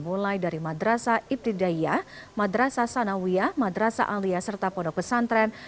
mulai dari madrasa ibtidaiyah madrasa sanawiyah madrasa aliyah serta pondok pesantren